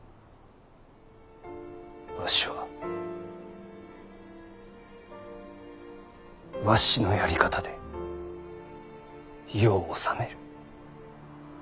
わしはわしのやり方で世を治める。